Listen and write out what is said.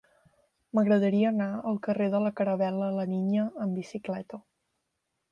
M'agradaria anar al carrer de la Caravel·la La Niña amb bicicleta.